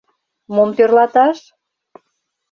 Мом тӧрлаташ?